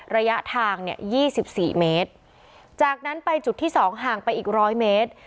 ระยะทางเนี่ยยี่สิบสี่เมตรจากนั้นไปจุดที่สองห่างไปอีกร้อยเมตร